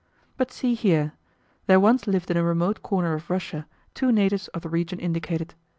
But see here. There once lived in a remote corner of Russia two natives of the region indicated.